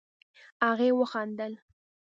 هغې وخندل.